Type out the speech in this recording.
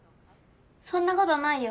そんな事ないよ。